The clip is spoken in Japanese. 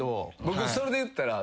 僕それで言ったら。